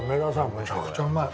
めちゃくちゃうまい。